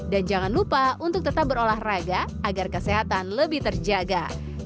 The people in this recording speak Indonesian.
jangan lupa untuk tetap berolahraga agar kesehatan lebih terjaga